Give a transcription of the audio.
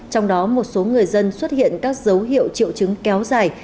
trong đó một số người dân xuất hiện các dấu hiệu triệu chứng kéo dài